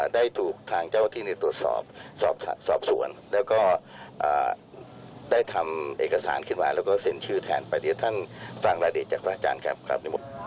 ได้ทำเอกสารขึ้นมาแล้วก็เซ็นชื่อแทนประเด็นทางฝรั่งราเดชจากพระอาจารย์ครับ